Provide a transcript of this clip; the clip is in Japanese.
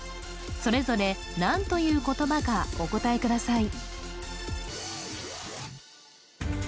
それぞれ何という言葉かお答えください